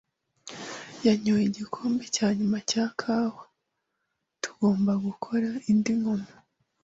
yanyoye igikombe cya nyuma cya kawa. Tugomba gukora indi nkono.